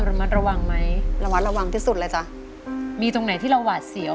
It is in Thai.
จูบแล้วลาไปแล้ว